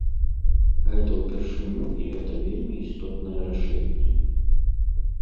Гэта ўпершыню і гэта вельмі істотнае рашэнне.